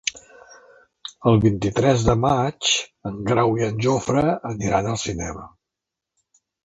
El vint-i-tres de maig en Grau i en Jofre aniran al cinema.